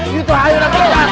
itu hal yang siar